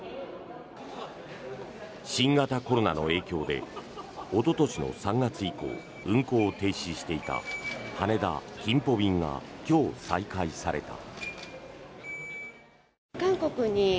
新型コロナの影響でおととしの３月以降運航を停止していた羽田金浦便が今日再開された。